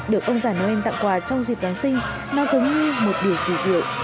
được ông già noel tặng quà trong dịp giáng sinh nó giống như một điều kỳ diệu